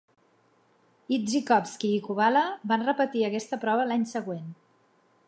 Idzikowski i Kubala van repetir aquesta prova l'any següent.